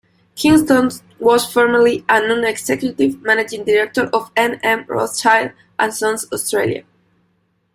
Kingston was formerly a Non-Executive Managing Director of N M Rothschild and Sons Australia.